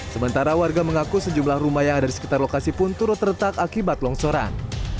sementara warga mengaku sejumlah rumah yang ada di sekitar lokasi pun turut retak akibat longsoran